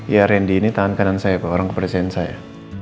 ya randy ini tangan kanan saya pak orang ke presiden saya